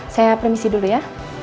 saya permisi dulu ya